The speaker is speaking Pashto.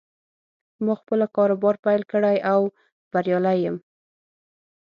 ما خپله کاروبار پیل کړې او بریالی یم